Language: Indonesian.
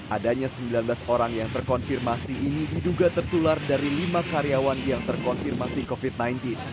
adanya sembilan belas orang yang terkonfirmasi ini diduga tertular dari lima karyawan yang terkonfirmasi covid sembilan belas